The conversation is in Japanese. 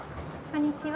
こんにちは。